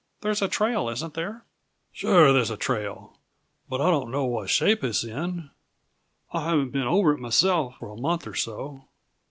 There's a trail, isn't there?" "Sure, there's a trail but I don't know what shape it's in. I haven't been over it myself for a month or so.